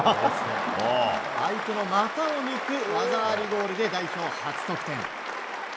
相手の股を抜く技ありゴールで代表初得点。